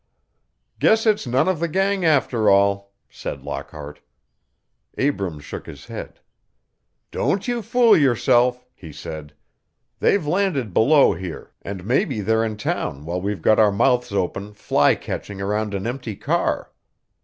"Guess it's none of the gang, after all," said Lockhart. Abrams shook his head. "Don't you fool yourself," he said. "They've landed below here, and maybe they're in town while we've got our mouths open, fly catching around an empty car."